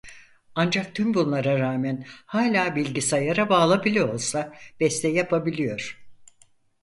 Ancak tüm bunlara rağmen hâlâ bilgisayara bağlı bile olsa beste yapabiliyor.